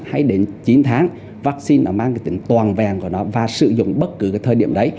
hay đến chín tháng vaccine nó mang cái tính toàn vẹn của nó và sử dụng bất cứ cái thời điểm đấy